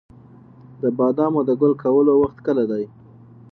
د بادامو د ګل کولو وخت کله دی؟